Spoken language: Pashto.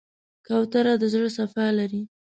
کوتره د زړه صفا لري.